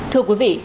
thưa quý vị